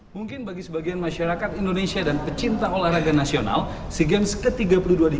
mungkin bagi sebagian masyarakat indonesia dan pecinta olahraga nasional sea games ke tiga puluh dua di